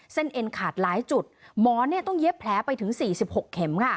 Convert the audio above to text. เอ็นขาดหลายจุดหมอนต้องเย็บแผลไปถึง๔๖เข็มค่ะ